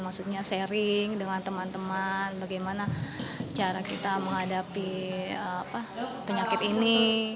maksudnya sharing dengan teman teman bagaimana cara kita menghadapi penyakit ini